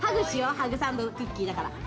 ハグサンドのクッキーだから。